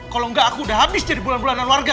kalau enggak aku udah habis jadi bulan bulanan warga